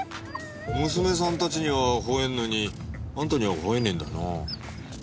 娘さんたちには吠えるのにあんたには吠えねえんだな。